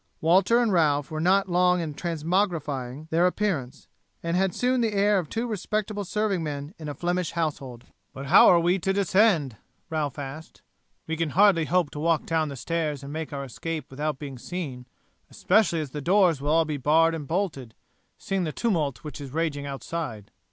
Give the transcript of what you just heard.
Walter and Ralph were not long in transmogrifying their appearance, and had soon the air of two respectable serving men in a Flemish household. "But how are we to descend?" Ralph asked. "We can hardly hope to walk down the stairs and make our escape without being seen, especially as the doors will all be barred and bolted, seeing the tumult which is raging outside."